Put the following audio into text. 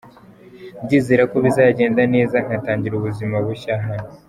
Ndizera ko bizagenda neza, nkatangira ubuzima bushya hano.